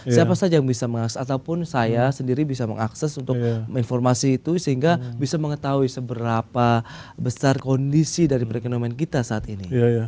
siapa saja yang bisa mengakses ataupun saya sendiri bisa mengakses untuk informasi itu sehingga bisa mengetahui seberapa besar kondisi dari perekonomian kita saat ini